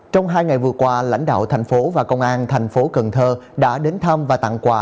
trong hai ngày vừa qua lãnh đạo thành phố và công an thành phố cần thơ đã đến thăm và tặng quà